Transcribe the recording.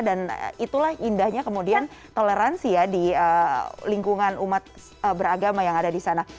dan itulah indahnya kemudian toleransi ya di lingkungan umat beragama yang ada di sana